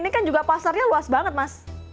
ini kan juga pasarnya luas banget mas